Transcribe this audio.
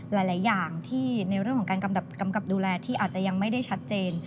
หลายอย่างที่ในเรื่องของการกำกับดูแลที่อาจจะยังไม่ได้ชัดเจน